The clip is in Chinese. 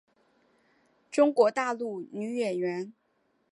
中国大陆女演员。